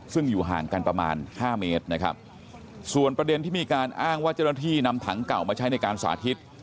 ซึ่งอยู่ห่างกันประมาณห้าเมตรนะครับส่วนประเด็นที่มีการอ้างว่าเจ้าหน้าที่นำถังเก่ามาใช้ในการสาธิต